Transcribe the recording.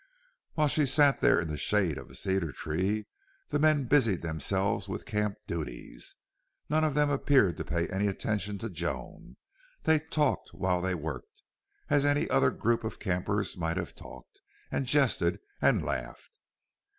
While she sat there in the shade of a cedar the men busied themselves with camp duties. None of them appeared to pay any attention to Joan. They talked while they worked, as any other group of campers might have talked, and jested and laughed.